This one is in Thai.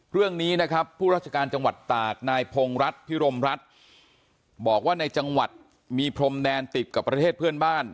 เรื่องนี้นะครับผู้ราชการจังหวัดตากนายพงรัฐพิรมรัฐบอกว่าในจังหวัดมีพรมแดนติดกับประเทศเพื่อนบ้าน